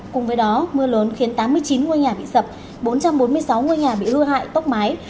cùng với đó mưa lớn khiến tám mươi chín ngôi nhà bị sập bốn trăm bốn mươi sáu ngôi nhà bị hư hại tốc mái